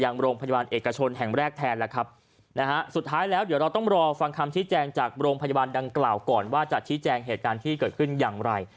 ยังโรงพยาบาลเอกชนแห่งแรกแทนแล้วครับนะฮะสุดท้ายแล้วเดี๋ยวเราต้องรอฟังคำชี้แจงจากโรงพยาบาลดังกล่าวก่อนว่าจะชี้แจงเหตุการณ์ที่เกิดขึ้นอย่างไร